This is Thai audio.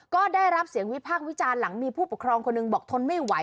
ก็ได้รับเสียงวิพากษ์วิจารณ์หลังมีผู้ปกครองคนหนึ่งบอกทนไม่ไหว